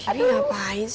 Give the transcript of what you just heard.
titi ngapain sih